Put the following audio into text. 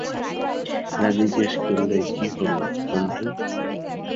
এলা জিজ্ঞাসা করলে, কী হল, অন্তু?